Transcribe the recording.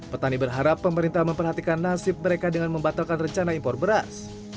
petani berharap pemerintah memperhatikan nasib mereka dengan membatalkan rencana impor beras